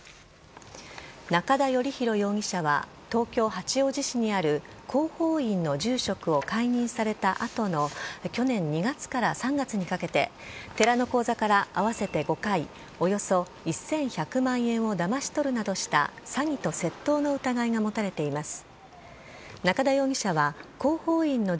仲田順浩容疑者は東京・八王子市にある光宝院の住職を解任された後の去年２月から３月にかけて寺の口座から合わせて５回およそ１１００万円をだまし取るなどした詐欺と窃盗の疑いが持たれています。